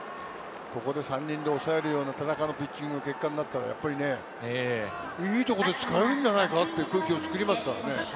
ここで３人で抑えるような田中のピッチングの結果になったらいいところで使えるんじゃないかという武器を作りましたからね。